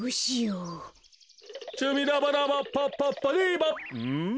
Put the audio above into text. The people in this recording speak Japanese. うん？